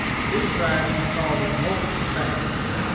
This crag is called Wolf's Fang.